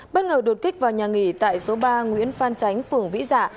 bất ngờ đột kích vào nhà nghỉ tại số ba nguyễn phan chánh phường vĩ dạ